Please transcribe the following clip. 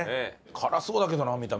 辛そうだけどな見た目。